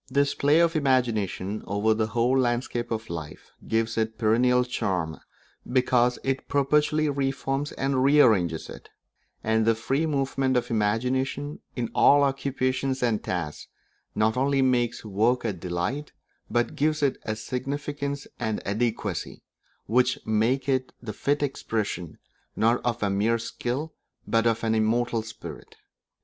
This play of the imagination over the whole landscape of life gives it perennial charm, because it perpetually re forms and re arranges it; and the free movement of the imagination in all occupations and tasks not only makes work a delight, but gives it a significance and adequacy, which make it the fit expression, not of a mere skill, but of an immortal spirit.